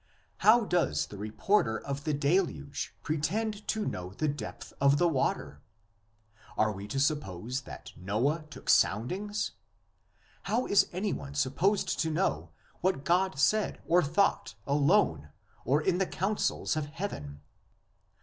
How does the reporter of the Deluge pretend to know the depth of the water? Are we to suppose that Noah took soundings? How is anyone supposed to know what God said or thought alone or in the councils of Heaven?